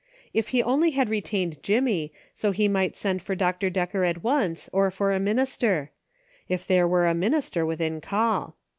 If only he had retained Jimmy, so he might send for Dr. Decker at once, or for a minister ; if there were a minister within call.